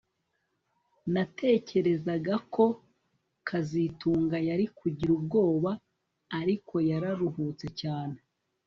Natekerezaga ko kazitunga yari kugira ubwoba ariko yararuhutse cyane